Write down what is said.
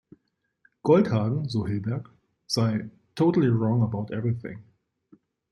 Goldhagen, so Hilberg, sei „totally wrong about everything.